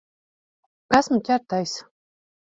Esmu ķertais.